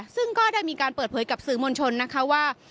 ซึ่งก็ได้มีการเปิดเผยกับสื่อมวลชนนะคะว่า